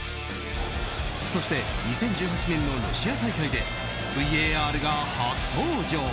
そして２０１８年のロシア大会でＶＡＲが初登場。